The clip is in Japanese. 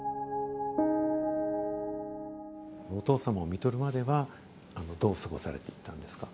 お父様をみとるまではどう過ごされていったんですか？